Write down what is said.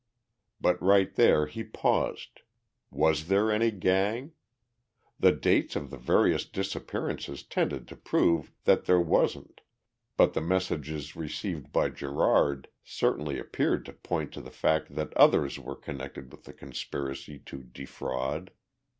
But right there he paused. Was there any gang? The dates of the various disappearances tended to prove that there wasn't, but the messages received by Gerard certainly appeared to point to the fact that others were connected with the conspiracy to defraud.